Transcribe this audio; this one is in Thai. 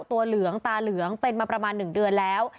เหลืองตาเหลืองเป็นมาประมาณ๑เดือนแล้ว